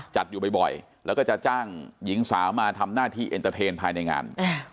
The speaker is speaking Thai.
จัดอยู่บ่อยแล้วก็จะจ้างหญิงสาวมาทำหน้าที่เอ็นเตอร์เทนภายในงาน